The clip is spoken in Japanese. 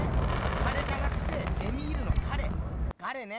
彼じゃなくてエミールの彼ガレね。